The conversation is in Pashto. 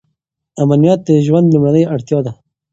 امنیت د ژوند لومړنۍ اړتیا ده.